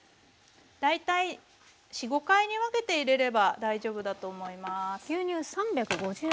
大体４５回に分けて入れれば大丈夫だと思います。